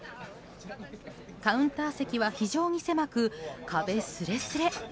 カウンター席は非常に狭く壁すれすれ。